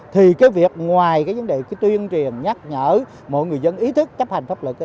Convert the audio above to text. thì cái việc ngoài cái vấn đề tuyên truyền nhắc nhở mọi người dân ý thức chấp hành pháp lực